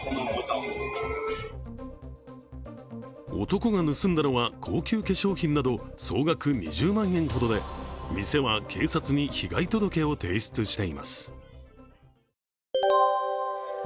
男が盗んだのは高級化粧品など総額２０万円ほどで店は警察に被害届を提出しています。